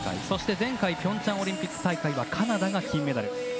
そして、前回のピョンチャンオリンピック大会はカナダが金メダル。